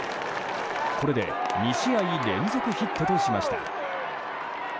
これで２試合連続ヒットとしました。